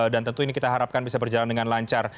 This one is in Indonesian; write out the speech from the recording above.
dan tentu ini kita harapkan bisa berjalan dengan lancar